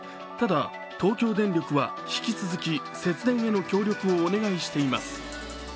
ただ、東京電力は引き続き節電への協力をお願いしています。